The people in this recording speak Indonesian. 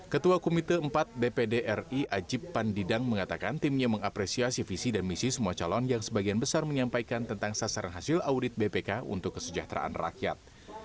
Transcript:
ketua komite empat dpd ri ajib pandidang mengatakan timnya mengapresiasi visi dan misi semua calon yang sebagian besar menyampaikan tentang sasaran hasil audit bpk untuk kesejahteraan rakyat